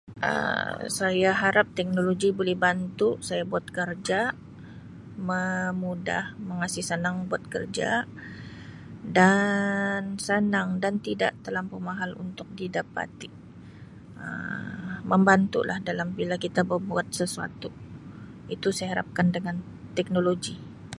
Um Saya harap teknologi boleh bantu saya buat karja memudah mengasi sanang buat kerja dan sanang dan tidak telampau mahal untuk didapati. Um Membantu lah dalam bila kita bebuat sesuatu. Itu saya harapkan dengan teknologi.